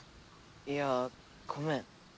いやごめん。